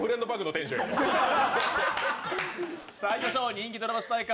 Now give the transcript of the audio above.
人気ドラマ主題歌